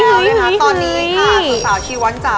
ตอนนี้ค่ะสุสาวชีวัญจ๋า